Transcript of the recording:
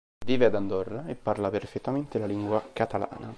Vive ad Andorra e parla perfettamente la lingua catalana.